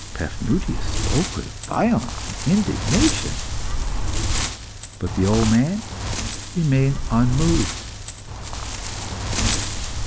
Paphnutius spoke with violence and indignation, but the old man remained unmoved.